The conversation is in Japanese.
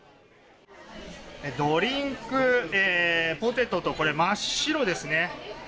ドリンク、ポテトと真っ白ですね。